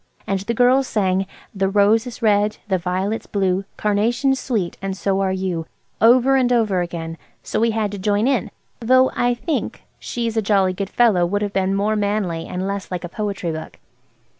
And the girls sang– "The rose is red, the violet's blue, Carnation's sweet, and so are you," over and over again, so we had to join in; though I think "She's a jolly good fellow" would have been more manly and less like a poetry book.